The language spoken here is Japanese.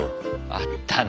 あったな。